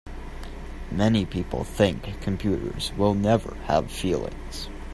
Many people think computers will never have feelings.